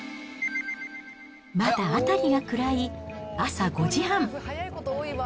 まだ辺りが暗い朝５時半。